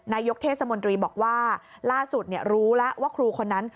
นายกเทศมนตรีบอกว่าล่าสุดรู้แล้วว่าครูคนนั้น